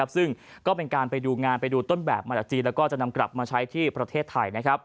ซึ่งก็เป็นการไปดูงานไปดูต้นแบบมาจากจีนแล้วก็จะนำกลับมาใช้ที่ประเทศไทย